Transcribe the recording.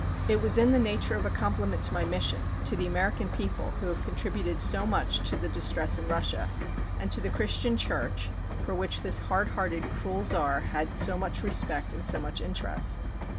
It was in the nature of a compliment to my mission, to the American people who have contributed so much to the distress in Russia, and to the Christian Church for which this "hardhearted, cruel Czar" had so much respect and so much interest.